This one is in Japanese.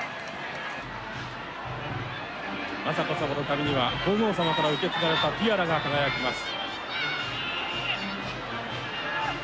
「雅子さまの髪には皇后さまから受け継がれたティアラが輝きます」。